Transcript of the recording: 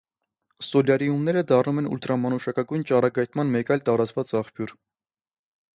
Սոլյարիումները դառնում են ուլտրամանուշակագույն ճառագայթման մեկ այլ տարածված աղբյուր։